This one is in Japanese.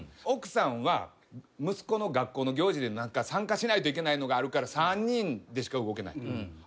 奥さんは息子の学校の行事で何か参加しないといけないのがあるから３人でしか動けない。